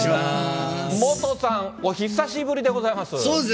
モトさん、お久しぶりでございます。